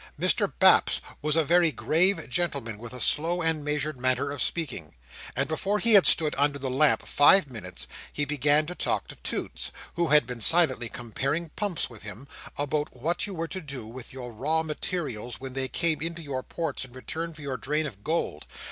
Mr Baps was a very grave gentleman, with a slow and measured manner of speaking; and before he had stood under the lamp five minutes, he began to talk to Toots (who had been silently comparing pumps with him) about what you were to do with your raw materials when they came into your ports in return for your drain of gold.